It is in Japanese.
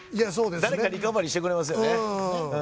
誰かリカバリーしてくれますよね。